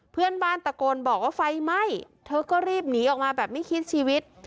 เพื่อนบ้านตะโกนบอกว่าไฟไหม้เธอก็รีบหนีออกมาแบบไม่คิดชีวิต